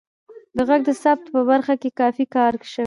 د غږ د ثبت په برخه کې کافی کار شوی